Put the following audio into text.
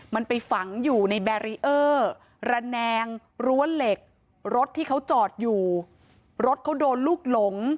มันไปฝังอยู่ในแบรีเออร์ระแนงรั้วเหล็กรถที่เขาจอดอยู่รถเขาโดนลูกหลง